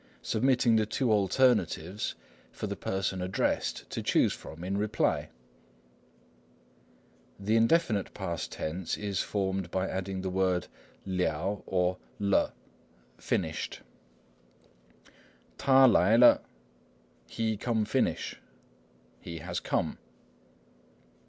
submitting the two alternatives for the person addressed to choose from in reply. The indefinite past tense is formed by adding the word 了 liao or lo "finished":— 他来了 t'a lai lo = "he come finish," = "he has come."